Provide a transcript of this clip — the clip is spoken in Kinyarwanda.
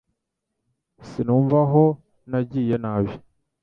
Sinumva aho nagiye nabi